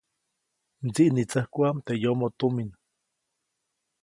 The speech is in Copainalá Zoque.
Mdsiʼnitsäjkuʼam teʼ yomoʼ tumin.